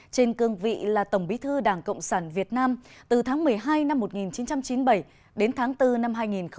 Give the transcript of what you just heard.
trên cương vị là tổng bí thư đảng cộng sản việt nam từ tháng một mươi hai năm một nghìn chín trăm chín mươi bảy đến tháng bốn năm hai nghìn một mươi